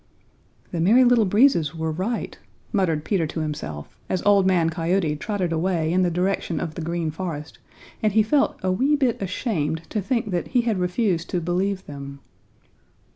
"The Merry Little Breezes were right," muttered Peter to himself, as Old Man Coyote trotted away in the direction of the Green Forest, and he felt a wee bit ashamed to think that he had refused to believe them.